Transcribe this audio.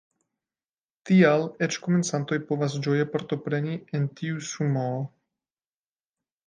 Tial eĉ komencantoj povas ĝoje partopreni en tiu Sumoo.